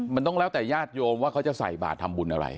มันต้องแล้วแต่ญาติโยมว่าเขาจะใส่บาททำบุญอะไร